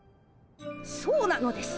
そうなのです。